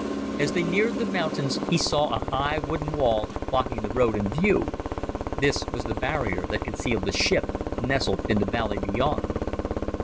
As they neared the mountains, he saw a high wooden wall blocking the road and view; this was the barrier that concealed the ship nestled in the valley beyond.